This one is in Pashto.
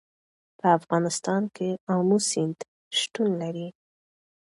په افغانستان کې آمو سیند شتون لري.